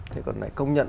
thế còn lại công nhận